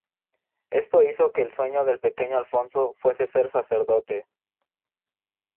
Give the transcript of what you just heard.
Eso hizo que el sueño del pequeño Alfonso fuese ser sacerdote.